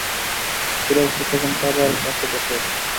কুরাইশরা তখন কাবার পাশে বসে আছে।